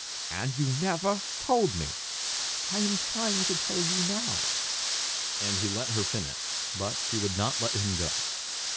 "And you never told me!" "I am trying to tell you now." And he let her finish. But she would not let him go.